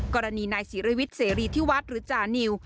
กรณีนายศิริวิทย์เสรีที่วัดหรือจานิว